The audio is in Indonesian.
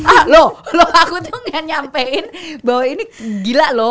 ah loh lo aku tuh pengen nyampein bahwa ini gila loh